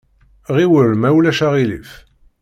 Ɣiwel ma ulac aɣilif!